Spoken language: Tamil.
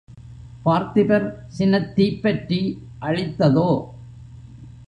பார்த்திபர் சினத்தீப் பற்றி அழித்ததோ?